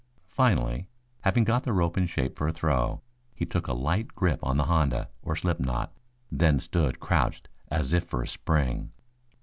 Finally, having got the rope in shape for a throw, he took a light grip on the honda, or slip knot, then stood crouched as if for a spring.